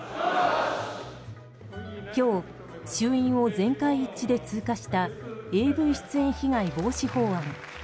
今日、衆院を全会一致で通過したＡＶ出演被害防止法案。